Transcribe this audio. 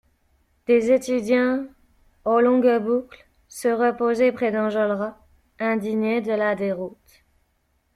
Les étudiants aux longues boucles se reposaient près d'Enjolras, indigné de la déroute.